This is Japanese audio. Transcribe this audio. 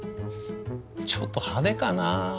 ちょっと派手かな。